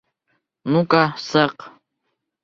Ну-ка сыҡ!